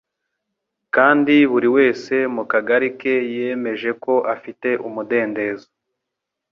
Kandi buri wese mu kagari ke yemeje ko afite umudendezo,